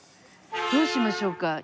どうしましょうか？